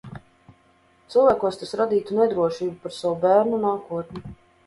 Cilvēkos tas radītu nedrošību par savu bērnu nākotni.